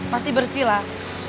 pasti bersih lah